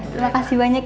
terima kasih banyak lagi